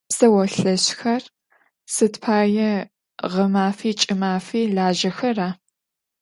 Pseolheş'xer, sıd paê ğemafi ç'ımafi lajexera?